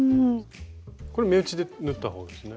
これ目打ちで縫ったほうですね？